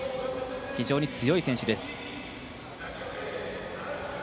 非常に強い選手です。